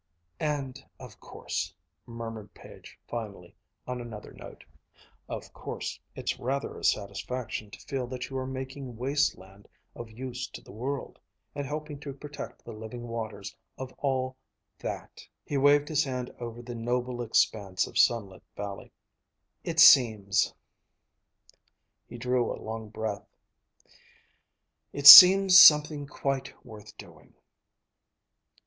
" and of course," murmured Page finally, on another note, "of course it's rather a satisfaction to feel that you are making waste land of use to the world, and helping to protect the living waters of all that " He waved his hand over the noble expanse of sunlit valley. "It seems" he drew a long breath "it seems something quite worth doing."